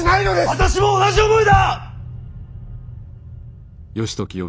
私も同じ思いだ！